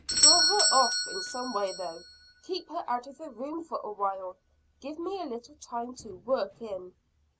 Draw her off in some way though keep her out of the room for awhile give me a little time to work in."